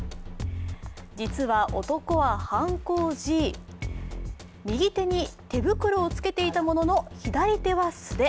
実は男は犯行時、右手に手袋をつけていたものの左手は素手。